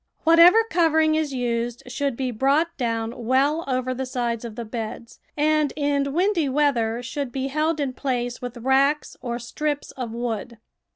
Whatever covering is used sliould be brought doAvn well over the sides of the beds, and in windy weather should be held in place with racks or strips of wood.